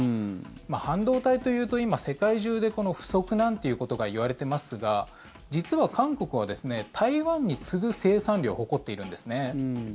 半導体というと今、世界中で不足なんていうことがいわれていますが実は韓国は台湾に次ぐ生産量を誇っているんですね。